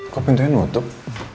kok pintunya nua tuh